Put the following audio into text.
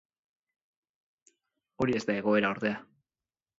Hori ez da egoera, ordea.